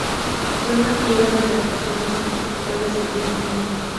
Son nativas de las regiones tropicales del Viejo Mundo.